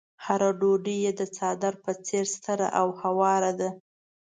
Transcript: هره ډوډۍ يې د څادر په څېر ستره او هواره ده.